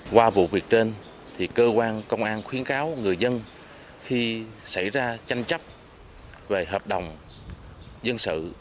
qua vụ việc trên cơ quan công an khuyến cáo người dân khi xảy ra tranh chấp về hợp đồng dân sự